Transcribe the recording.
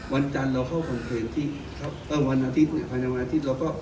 วันจันทร์เราเข้าเอ่อวันอาทิตย์เนี่ยภายในวันอาทิตย์เราก็